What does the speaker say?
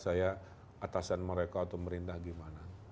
saya atasan mereka atau merintah gimana